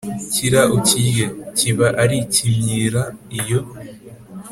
« kira ukirye » (kiba ari ikimyirah iyo